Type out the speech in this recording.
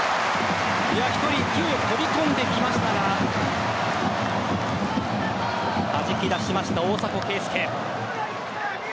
１人、勢いよく飛び込んできましたがはじき出しました、大迫敬介。